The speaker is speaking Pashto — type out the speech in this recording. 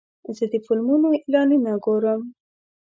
زه د فلمونو اعلانونه ګورم.